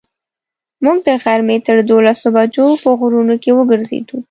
موږ د غرمې تر دولسو بجو په غرونو کې وګرځېدو.